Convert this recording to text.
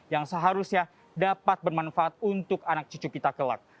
yang seharusnya dapat bermanfaat untuk anak cucu kita kelak